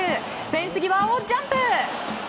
フェンス際をジャンプ！